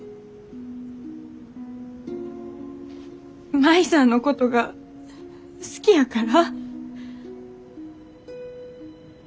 舞さんのことが好きやから？